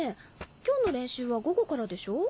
今日の練習は午後からでしょ？